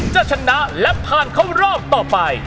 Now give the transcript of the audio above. จะชนะและผ่านเข้ารอบต่อไป